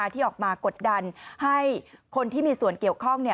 ที่ออกมากดดันให้คนที่มีส่วนเกี่ยวข้อง